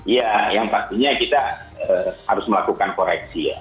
ya yang pastinya kita harus melakukan koreksi ya